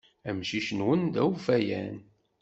Amcic-nwen d awfayan.